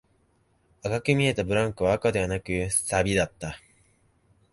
赤く見えたブランコは赤ではなく、錆だった